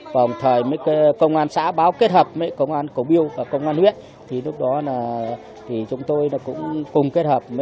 và một thời công an xã báo kết hợp với công an cổ biêu và công an huyết thì lúc đó là chúng tôi cũng cùng kết hợp